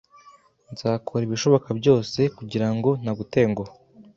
Nzakora ibishoboka byose kugirango ntagutenguha.